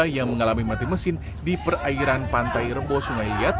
yang mengalami mati mesin di perairan pantai rebo sungai liat